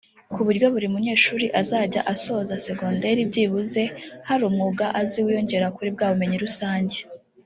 ku buryo buri munyeshuri azajya asoza segonderi byibuze hari umwuga azi wiyongera kuri bwa bumenyi rusange”